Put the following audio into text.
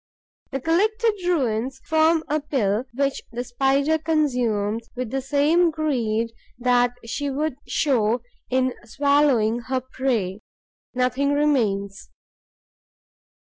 The collected ruins form a pill which the Spider consumes with the same greed that she would show in swallowing her prey. Nothing remains.